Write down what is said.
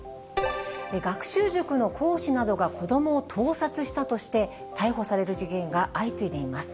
学習塾の講師などが子どもを盗撮したとして、逮捕される事件が相次いでいます。